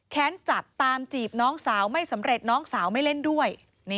จัดตามจีบน้องสาวไม่สำเร็จน้องสาวไม่เล่นด้วย